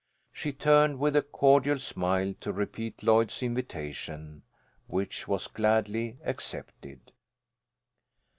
She turned with a cordial smile to repeat Lloyd's invitation, which was gladly accepted.